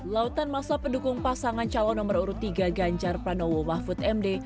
lautan masa pedukung pasangan calon nomor tiga ganjar pranowo wahfud md